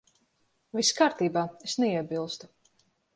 Viss kārtībā. Es neiebilstu.